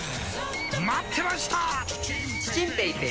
待ってました！